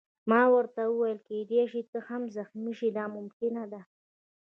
ما ورته وویل: کېدای شي ته هم زخمي شې، دا ممکنه ده.